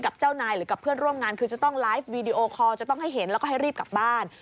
กับเจ้านายหรือกับเพื่อนร่วมงาน